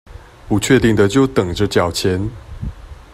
不確定的就等著繳錢